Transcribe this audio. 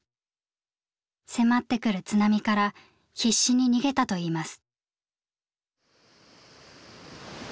迫ってくる津波から必死に逃げたといいます。